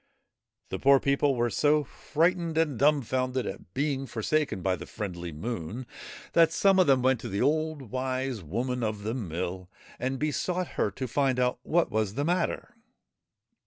The poor people were so frightened and dumbfounded at being forsaken by the friendly Moon, that some of them went to the old Wise Woman of the Mill and besought her to find out what was the matter.